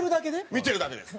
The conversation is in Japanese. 見てるだけです。